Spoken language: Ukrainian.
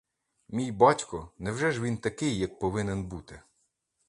Мій батько, невже ж він такий, як повинен бути?